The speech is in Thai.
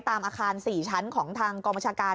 ตามอาคาร๔ชั้นของทางกองบัญชาการ